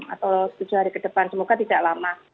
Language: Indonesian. atau tujuh hari ke depan semoga tidak lama